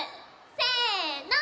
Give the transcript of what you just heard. せの。